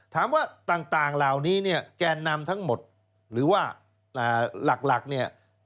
ถามว่าต่างเหล่านี้เนี่ยแกนนำทั้งหมดหรือว่าหลักเนี่ย